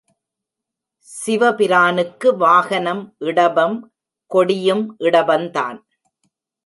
சிவபிரானுக்கு வாகனம் இடபம் கொடியும் இடபந்தான்.